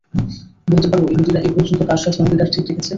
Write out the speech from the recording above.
বলতে পার, ইহুদীরা এ পর্যন্ত কার সাথে অঙ্গীকার ঠিক রেখেছে?